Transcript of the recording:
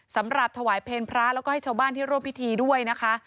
สำหรับถวายเพลงพระแล้วก็ให้ชาวบ้านที่ร่วมพิธีด้วยนะคะ